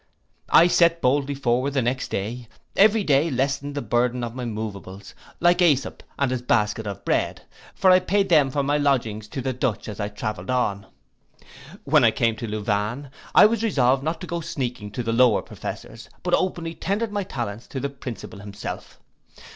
'I set boldly forward the next morning. Every day lessened the burthen of my moveables, like Æsop and his basket of bread; for I paid them for my lodgings to the Dutch as I travelled on. When I came to Louvain, I was resolved not to go sneaking to the lower professors, but openly tendered my talents to the principal himself.